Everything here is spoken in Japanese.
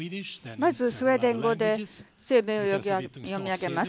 まず、スウェーデン語で声明を読み上げます。